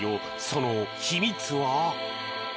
その秘密は？